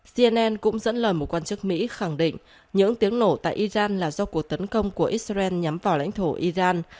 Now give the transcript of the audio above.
cnn cũng dẫn lời một quan chức mỹ khẳng định những tiếng nổ tại iran là do cuộc tấn công của israel nhắm vào lãnh thổ iran